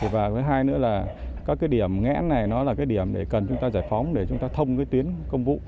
và với hai nữa là các cái điểm nghẽn này nó là cái điểm để cần chúng ta giải phóng để chúng ta thông cái tuyến công vụ